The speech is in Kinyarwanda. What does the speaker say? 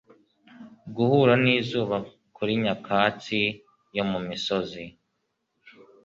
Guhura n'izuba kuri nyakatsi yo mu misozi;